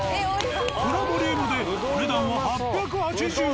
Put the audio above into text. このボリュームでお値段は８８０円。